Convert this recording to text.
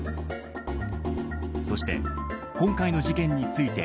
そして、今回の事件について